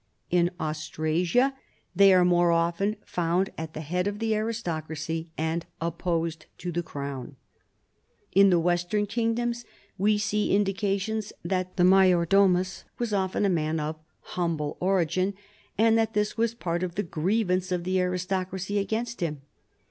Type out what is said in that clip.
In Austrasia they are more often found at the head of the aristocracy and opposed to the crown. In the western kingdoms we see indications that the major domtis was often a man of humble origin, and that this was part of the grievance of the aristocracy against him.